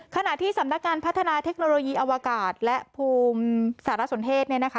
ขณะที่สำนักการพัฒนาเทคโนโลยีอวกาศและภูมิสารสนเทศเนี่ยนะคะ